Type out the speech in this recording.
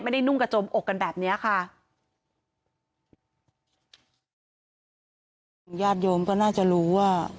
ไม่ได้นุ่งกระโจมอกกันแบบนี้ค่ะ